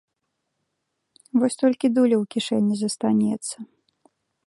Вось толькі дуля ў кішэні застанецца.